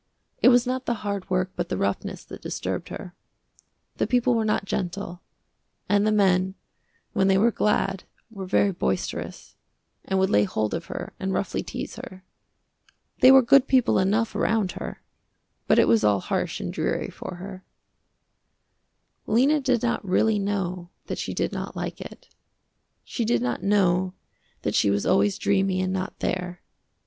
It was not the hard work but the roughness that disturbed her. The people were not gentle, and the men when they were glad were very boisterous, and would lay hold of her and roughly tease her. They were good people enough around her, but it was all harsh and dreary for her. Lena did not really know that she did not like it. She did not know that she was always dreamy and not there.